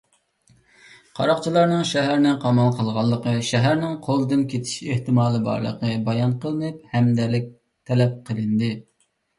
قاراقچىلارنىڭ شەھەرنى قامال قىلغانلىقى، شەھەرنىڭ قولدىن كېتىش ئېھتىمالى بارلىقى بايان قىلىنىپ، ھەمدەملىك تەلەپ قىلىندى.